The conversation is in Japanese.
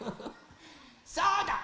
そうだ！